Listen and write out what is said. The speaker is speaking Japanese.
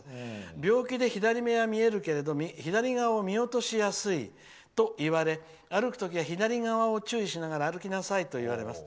病気で左目は見えるけど左側を見落としやすいと言われ歩く時は左側を注意しながら歩きなさいといわれます。